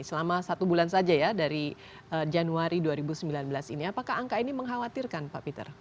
selama satu bulan saja ya dari januari dua ribu sembilan belas ini apakah angka ini mengkhawatirkan pak peter